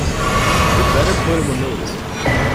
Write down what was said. We'd better put them on notice